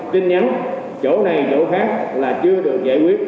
tin nhắn chỗ này chỗ khác là chưa được giải quyết